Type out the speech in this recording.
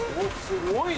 すごい。